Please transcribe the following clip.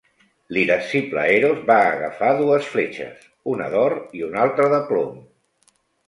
L'irascible Eros va agafar dues fletxes, una d'or i una altra de plom.